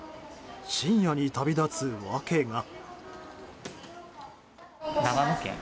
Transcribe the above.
深夜に旅立つ訳が。